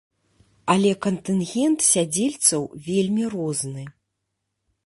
Але кантынгент сядзельцаў вельмі розны.